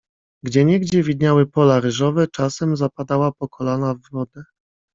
Gdzieniegdzie widniały pola ryżowe, czasem zapadała po kolana w wodę.